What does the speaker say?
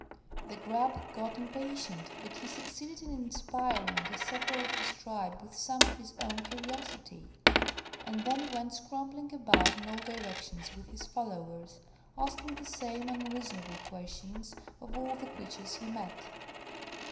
The Grub got impatient, but he succeeded in inspiring several of his tribe with some of his own curiosity, and then went scrambling about in all directions with his followers, asking the same unreasonable questions of all the creatures he met.